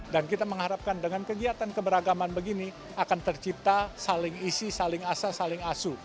dan kita mengharapkan dengan kegiatan keberagaman begini akan tercipta saling isi saling asa saling asu